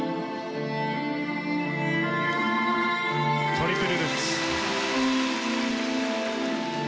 トリプルルッツ。